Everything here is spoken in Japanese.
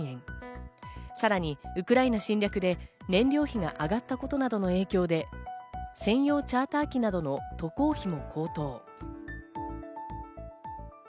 さらにウクライナ侵略で燃料費が上がったことなどの影響で、専用チャーター機などの渡航費も高騰。